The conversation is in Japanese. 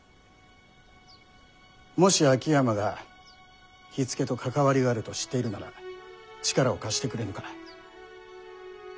もし秋山が火付けと関わりがあると知っているなら力を貸してくれぬか？